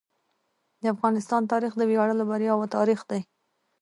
د افغانستان تاریخ د ویاړلو بریاوو تاریخ دی.